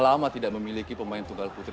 lama tidak memiliki pemain tunggal putri